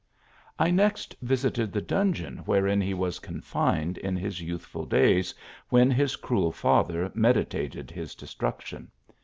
I next visited the dungeon wherein he was con fined in his youthful days, when his cruel father meditated his destruction.